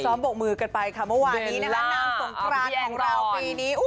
บกมือกันไปค่ะเมื่อวานนี้นะคะนางสงครานของเราปีนี้